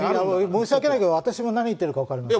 申し訳ないけど、私も何言ってるか分からない。